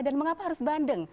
dan mengapa harus bandeng